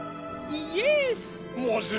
イエス！